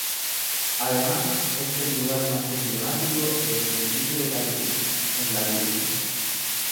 Además, es el lugar más emblemático del municipio de Cariño, en La Coruña.